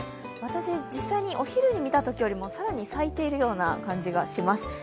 私、実際にお昼にみたときよりも、更に咲いているような気がします。